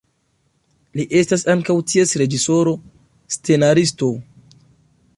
Li estas ankaŭ ties reĝisoro, scenaristo.